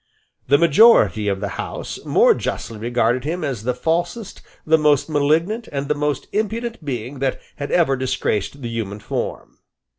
The majority of the House more justly regarded him as the falsest, the most malignant and the most impudent being that had ever disgraced the human form.